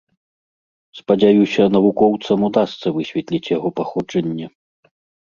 Спадзяюся, навукоўцам удасца высветліць яго паходжанне.